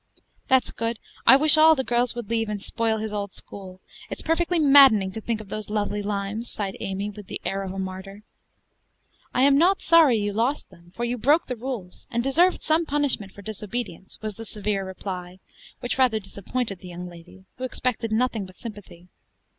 "That's good! I wish all the girls would leave, and spoil his old school. It's perfectly maddening to think of those lovely limes," sighed Amy with the air of a martyr. "I am not sorry you lost them, for you broke the rules, and deserved some punishment for disobedience," was the severe reply, which rather disappointed the young lady, who expected nothing but sympathy.